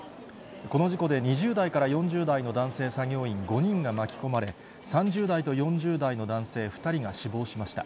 この事故で２０代から４０代の男性作業員５人が巻き込まれ、３０代と４０代の男性２人が死亡しました。